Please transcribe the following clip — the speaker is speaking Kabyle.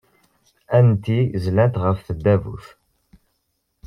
Atenti ẓẓlent ɣef tdabut.